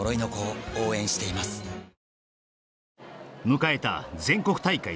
迎えた全国大会